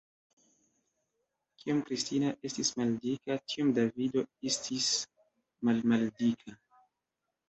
Kiom Kristina estis maldika, tiom Davido estis malmaldika.